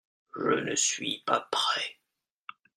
Je ne suis pas prêt.